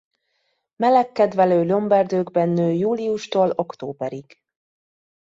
Melegkedvelő lomberdőkben nő júliustól októberig.